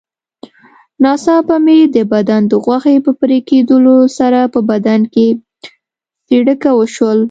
ناڅاپه مې د بدن د غوښې په پرېکېدلو سره په بدن کې څړیکه وشول.